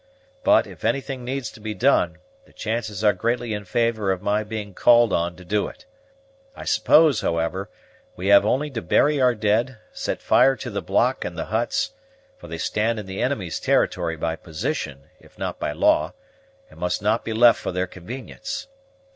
But, if anything needs to be done, the chances are greatly in favor of my being called on to do it. I suppose, however, we have only to bury our dead; set fire to the block and the huts, for they stand in the inimy's territory by position, if not by law, and must not be left for their convenience.